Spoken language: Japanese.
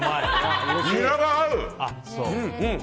ニラが合う！